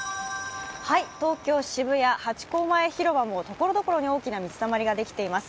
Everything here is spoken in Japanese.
東京・渋谷、ハチ公前広場もところどころに大きな水たまりができています。